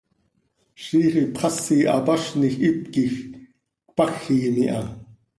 Ziix ipxasi hapaznij hipquij cpajim iha.